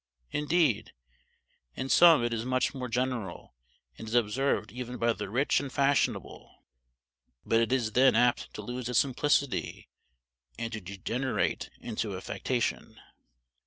Indeed, in some it is much more general, and is observed even by the rich and fashionable; but it is then apt to lose its simplicity and to degenerate into affectation.